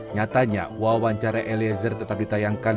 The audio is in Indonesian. nyatanya wawancara eliezer tetap ditayangkan